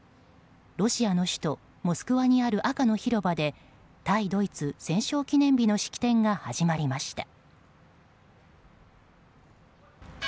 ロシアの首都モスクワにある赤の広場で対ドイツ戦勝記念日の式典が始まりました。